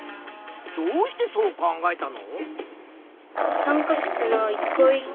どうしてそう考えたの？